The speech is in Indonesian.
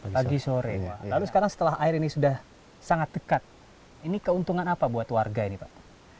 pagi sore lalu sekarang setelah air ini sudah sangat dekat ini keuntungan apa buat warga ini pak